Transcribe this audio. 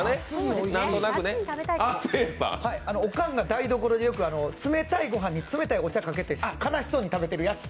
おかんが台所で、よく冷たい御飯に冷たいお茶かけて悲しそうに食べてるやつ。